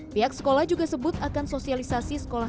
pihak sekolah juga sebut akan sosialisasi sekolah